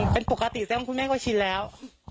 เป็นปกติแสดงว่าคุณแม่ก็ชินแล้ว